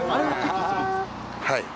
はい。